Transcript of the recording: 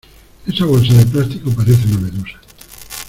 Esa bolsa de plástico parece una medusa.